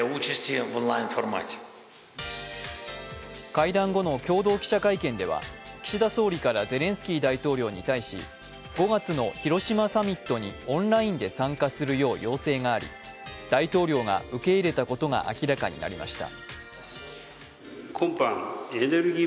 会談後の共同記者会見では、岸田総理からゼレンスキー大統領に対し５月の広島サミットにオンラインで参加するよう要請があり、大統領が受け入れたことが明らかになりました。